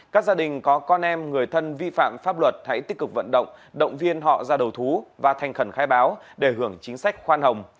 các gia đình có con em người thân vi phạm pháp luật hãy tích cực vận động động viên họ ra đầu thú và thành khẩn khai báo để hưởng chính sách khoan hồng